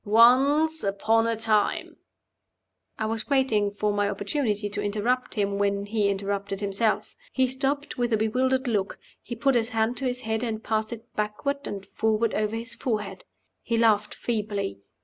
Once upon a time " I was waiting for my opportunity to interrupt him when he interrupted himself. He stopped, with a bewildered look. He put his hand to his head, and passed it backward and forward over his forehead. He laughed feebly.